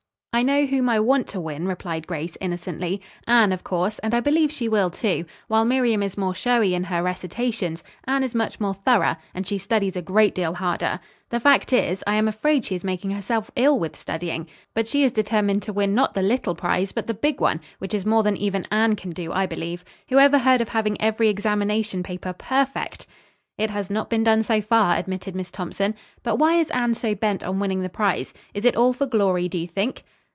"I know whom I want to win," replied Grace innocently. "Anne, of course, and I believe she will, too. While Miriam is more showy in her recitations, Anne is much more thorough, and she studies a great deal harder. The fact is, I am afraid she is making herself ill with studying. But she is determined to win not the little prize, but the big one, which is more than even Anne can do, I believe. Whoever heard of having every examination paper perfect?" "It has not been done so far," admitted Miss Thompson, "but why is Anne so bent on winning the prize? Is it all for glory, do you think?"